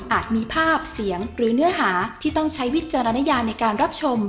มีภาพเสียงหรือเนื้อหาที่ต้องใช้วิจารณญาในการรับชม